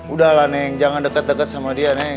udahlah neng jangan deket deket sama dia neng